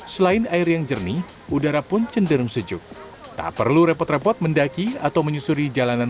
selain air yang jernih udara pun cenderung sejuk tak perlu repot repot mendaki atau menyusuri jalanan